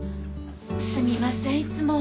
すみませんいつも。